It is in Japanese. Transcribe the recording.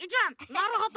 なるほど。